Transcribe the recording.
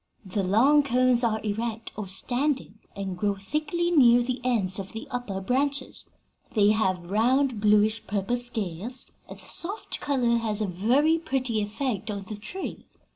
The long cones are erect, or standing, and grow thickly near the ends of the upper branches. They have round, bluish purple scales, and the soft color has a very pretty effect on the tree.